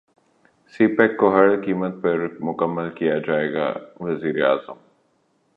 سی pack کو ہر قیمت پر مکمل کیا جائے گا وزیراعظم